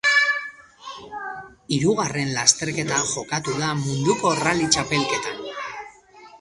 Hirugarren lasterketa jokatu da munduko rally txapelketan.